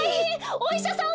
おいしゃさんを！